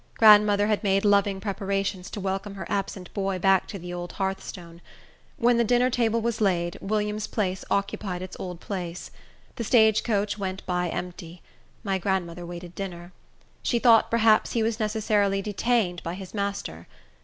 Grandmother had made loving preparations to welcome her absent boy back to the old hearthstone. When the dinner table was laid, William's place occupied its old place. The stage coach went by empty. My grandmother waited dinner. She thought perhaps he was necessarily detained by his master.